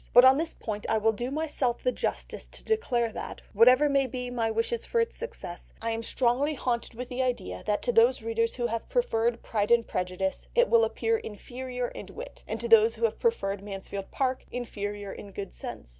But on this point I will do myself the justice to declare that, whatever may be my wishes for its success, I am strongly haunted with the idea that to those readers who have preferred Pride and Prejudice it will appear inferior in wit, and to those who have preferred Mansfield Park inferior in good sense."